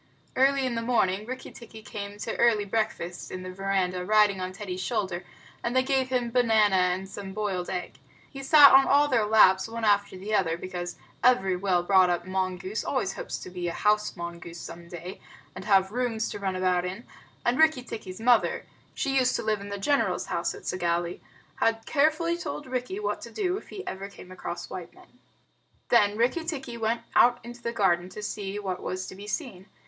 Early in the morning Rikki tikki came to early breakfast in the veranda riding on Teddy's shoulder, and they gave him banana and some boiled egg. He sat on all their laps one after the other, because every well brought up mongoose always hopes to be a house mongoose some day and have rooms to run about in; and Rikki tikki's mother (she used to live in the general's house at Segowlee) had carefully told Rikki what to do if ever he came across white men. Then Rikki tikki went out into the garden to see what was to be seen.